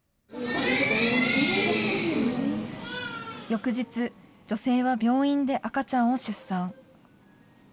翌日、女性は病院で赤ちゃんを出産。